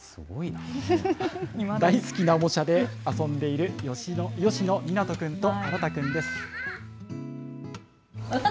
大好きなおもちゃで遊んでいる吉野湊くんと新くんです。